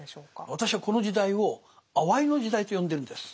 私はこの時代を「あわい」の時代と呼んでるんです。